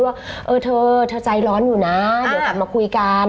ว่าเออเธอเธอใจร้อนอยู่นะเดี๋ยวกลับมาคุยกัน